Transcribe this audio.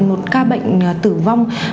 một ca bệnh tử vong